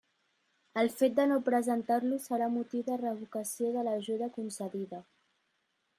El fet de no presentar-lo serà motiu de revocació de l'ajuda concedida.